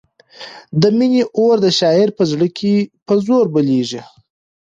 د مینې اور د شاعر په زړه کې په زور بلېږي.